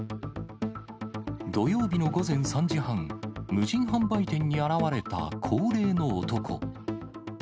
土曜日の午前３時半、無人販売店に現れた高齢の男。